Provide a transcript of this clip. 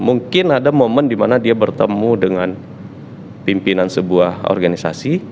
mungkin ada momen di mana dia bertemu dengan pimpinan sebuah organisasi